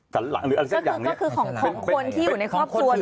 ก็คือของคนที่อยู่ในครอบครัวด้วย